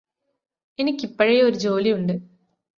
എനിക്കിപ്പഴേ ഒരു ജോലിയുണ്ട്